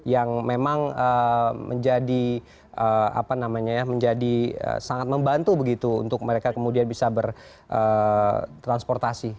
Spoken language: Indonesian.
yang memang menjadi sangat membantu begitu untuk mereka kemudian bisa bertransportasi